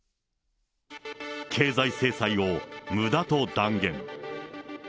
経済制裁をむだと断言。